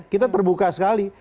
kita terbuka sekali